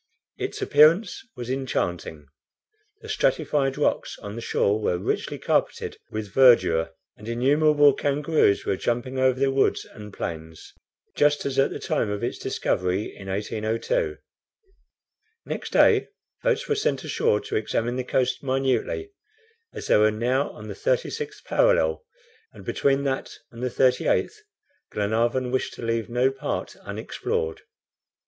Its appearance was enchanting. The stratified rocks on the shore were richly carpeted with verdure, and innumerable kangaroos were jumping over the woods and plains, just as at the time of its discovery in 1802. Next day, boats were sent ashore to examine the coast minutely, as they were now on the 36th parallel, and between that and the 38th Glenarvan wished to leave no part unexplored.